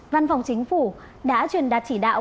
văn phòng chính phủ đã truyền đạt chỉ đạo